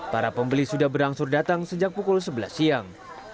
para pembeli sudah berangsur datang sejak pukul sebelas siang